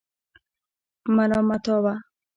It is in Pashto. ملامتاوه.